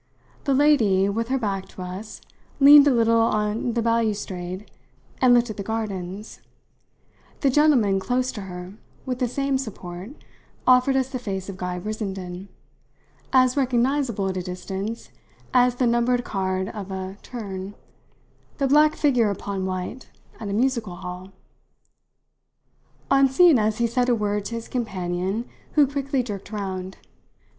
The lady, with her back to us, leaned a little on the balustrade and looked at the gardens; the gentleman close to her, with the same support, offered us the face of Guy Brissenden, as recognisable at a distance as the numbered card of a "turn" the black figure upon white at a music hall. On seeing us he said a word to his companion, who quickly jerked round.